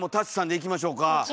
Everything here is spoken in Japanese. いきましょうか。